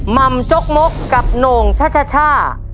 ม่ำจกมกกับโหน่งช่า